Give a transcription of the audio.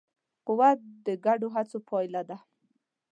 قوت د ګډو هڅو پایله ده.